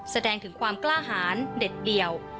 แสดงถึงความกล้าหารเด็ดเดี่ยว